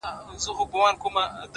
هره ناکامي د نوي پیل پیغام دی.!